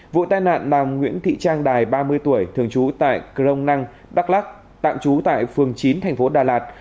vụ tai nạn bà nguyễn thị trang đài ba mươi tuổi thường trú tại crong năng đắk lắc tạm trú tại phường chín thành phố đà lạt